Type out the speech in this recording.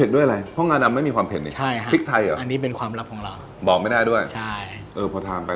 แต่ไอ้เพชรที่ว่ากว่าที่จะผสมมาได้